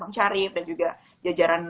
bang syarif dan juga jajaran